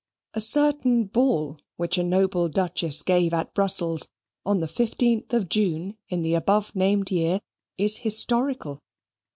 A certain ball which a noble Duchess gave at Brussels on the 15th of June in the above named year is historical.